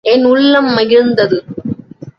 என் உள்ளம் மகிழ்ந்தது.